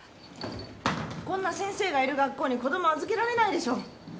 こんな先生がいる学校に子供預けられないでしょ！